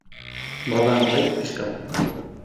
Bada, bai, pixka bat.